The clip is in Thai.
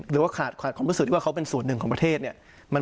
หรือว่าขาดความรู้สึกที่ว่าเขาเป็นส่วนหนึ่งของประเทศเนี่ย